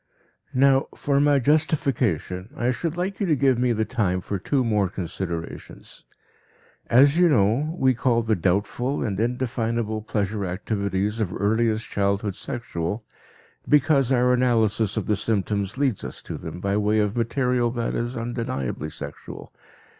Now, for my justification, I should like you to give me the time for two more considerations. As you know, we call the doubtful and indefinable pleasure activities of earliest childhood sexual because our analysis of the symptoms leads us to them by way of material that is undeniably sexual.